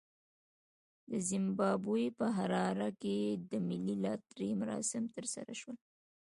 د زیمبابوې په حراره کې د ملي لاټرۍ مراسم ترسره شول.